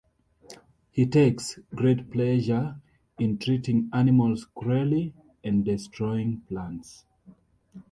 He takes great pleasure in treating animals cruelly and destroying plants.